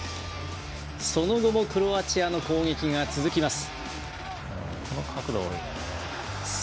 その後もクロアチアの攻撃が続きます。